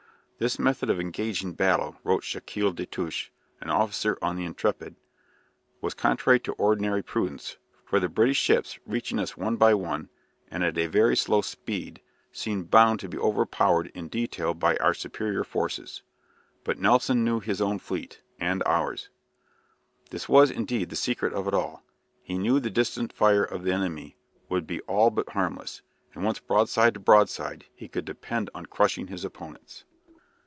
"This method of engaging battle," wrote Gicquel des Touches, an officer of the "Intrépide," "was contrary to ordinary prudence, for the British ships, reaching us one by one, and at a very slow speed, seemed bound to be overpowered in detail by our superior forces; but Nelson knew his own fleet and ours." This was, indeed, the secret of it all. He knew the distant fire of the enemy would be all but harmless, and once broadside to broadside, he could depend on crushing his opponents.